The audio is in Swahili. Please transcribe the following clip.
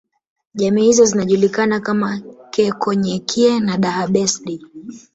Jamii hizo zinajulikana kama Keekonyokie na Daha Besdi